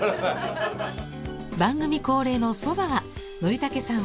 番組恒例のそばは憲武さん